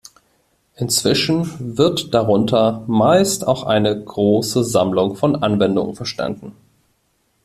Inzwischen wird darunter meist auch eine große Sammlung von Anwendungen verstanden.